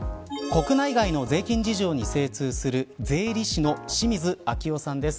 国内外の税金事情に精通する税理士の清水明夫さんです。